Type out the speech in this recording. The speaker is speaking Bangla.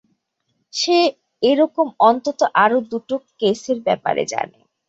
সে এরকম অন্তত আরও দুটো কেসের ব্যাপারে জানে।